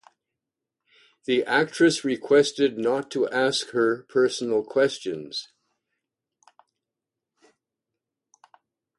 The actress requested not to ask her personal questions.